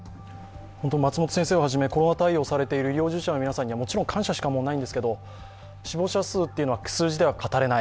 松本先生をはじめ、コロナ対応をされている医療従事者の皆さんにもちろん感謝しかないですけど死亡者数は数字では語れない。